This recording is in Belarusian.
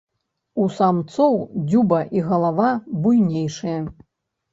У самцоў дзюба і галава буйнейшыя.